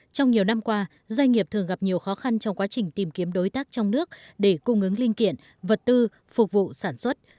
trong nhiều năm qua doanh nghiệp thường gặp nhiều khó khăn trong quá trình tìm kiếm đối tác trong nước để cung ứng linh kiện vật tư phục vụ sản xuất